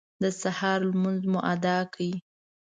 د سهار لمونځ مو اداء کړ.